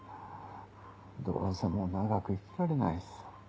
どうせもう長く生きられないしさ。